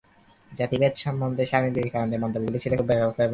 জাতিভেদ সম্বন্ধে স্বামী বিবেকানন্দের মন্তব্যগুলি ছিল খুব ব্যাপক এবং চিত্তাকর্ষক।